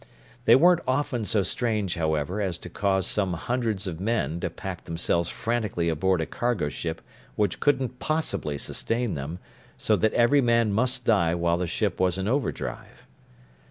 They weren't often so strange, however, as to cause some hundreds of men to pack themselves frantically aboard a cargo ship which couldn't possibly sustain them, so that every man must die while the ship was in overdrive.